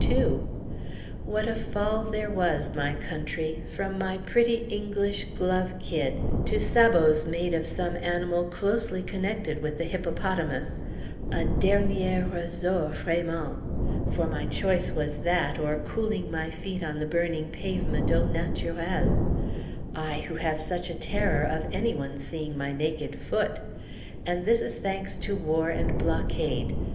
2! "What a fall was there, my country," from my pretty English glove kid, to sabots made of some animal closely connected with the hippopotamus! A dernier ressort, vraiment! for my choice was that, or cooling my feet on the burning pavement au naturel; I who have such a terror of any one seeing my naked foot! And this is thanks to war and blockade!